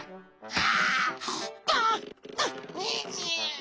あ。